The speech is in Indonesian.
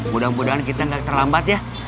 mudah mudahan kita nggak terlambat ya